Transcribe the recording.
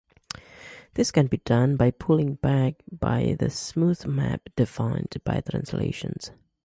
This can be done by pulling back by the smooth map defined by translation.